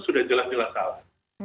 sudah jelas jelas salah